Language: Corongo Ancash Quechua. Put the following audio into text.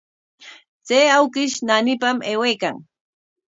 Chay awkish naanipam aywaykan.